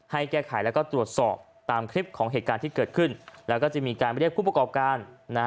ให้แก้ไขแล้วก็ตรวจสอบตามคลิปของเหตุการณ์ที่เกิดขึ้นแล้วก็จะมีการเรียกผู้ประกอบการ